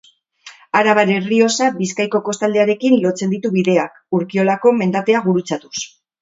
Arabar Errioxa Bizkaiko kostaldearekin lotzen ditu bideak, Urkiolako mendatea gurutzatuz.